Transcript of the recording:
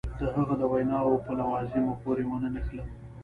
د هغه د ویناوو په لوازمو پورې ونه نښلم.